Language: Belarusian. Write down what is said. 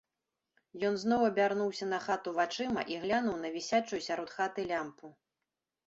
Ён зноў абярнуўся на хату вачыма і глянуў на вісячую сярод хаты лямпу.